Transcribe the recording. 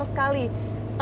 dan benar benar benar sekali